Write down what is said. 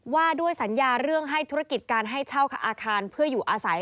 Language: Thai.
ว่าด้วยสัญญาเรื่องให้ธุรกิจการให้เช่าอาคารเพื่ออยู่อาศัย